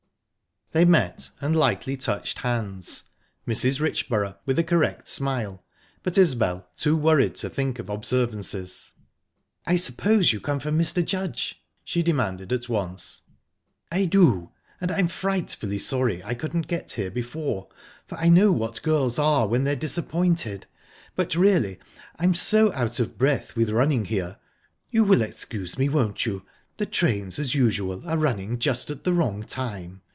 They met, and lightly touched hands Mrs. Richborough with a correct smile, but Isbel too worried to think of observances. "I suppose you come from Mr. Judge?" she demanded, at once. "I do, and I'm frightfully sorry I couldn't get here before, for I know what girls are when they're disappointed...but really I'm so out of breath with running here...you will excuse me, won't you? The trains, as usual, are running just at the wrong time...